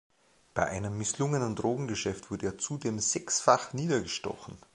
Bei einem misslungenen Drogengeschäft wurde er zudem sechsfach niedergestochen.